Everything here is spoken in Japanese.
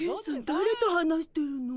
だれと話してるの？